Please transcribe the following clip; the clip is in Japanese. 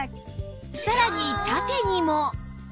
さらに縦にも